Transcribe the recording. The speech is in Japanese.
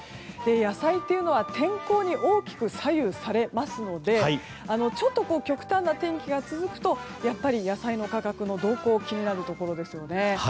野菜というのは天候に大きく左右されますのでちょっと極端な天気が続くとやっぱり野菜の価格の動向が気になるところですよね。